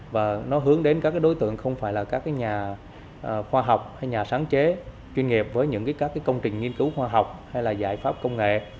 và nó hướng đến các cái đối tượng không phải là các cái nhà khoa học hay nhà sáng chế chuyên nghiệp với những cái các cái công trình nghiên cứu khoa học hay là giải pháp công nghệ